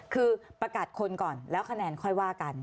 คือประกาศคนก่อนแล้วคะแนนค่อยว่ากัน